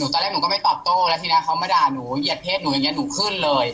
ตอนแรกหนูก็ไม่ตอบโต้แล้วทีนี้เขามาด่าหนูเหยียดเพศหนูอย่างนี้หนูขึ้นเลย